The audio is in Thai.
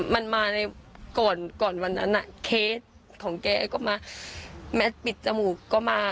มันมาในก่อนก่อนวันนั้นเคสของแกก็มาแมทปิดจมูกก็มา